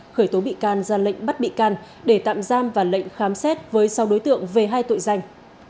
khởi tố bị can ra lệnh bắt bị can để tạm giam và lệnh khám xét với sau đối tượng về hai tội danh